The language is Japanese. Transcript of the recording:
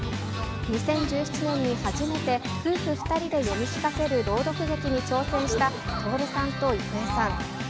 ２０１７年に初めて夫婦２人で読み聞かせる朗読劇に挑戦した徹さんと郁恵さん。